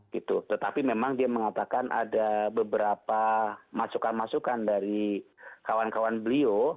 gitu tetapi memang dia mengatakan ada beberapa masukan masukan dari kawan kawan beliau